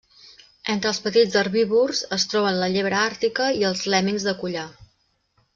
Entre els petits herbívors es troben la llebre àrtica i els lèmmings de collar.